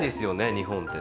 日本ってね。